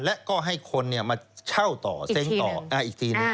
และก็ให้คนมาเช่าต่อเซ้งต่ออีกทีหนึ่ง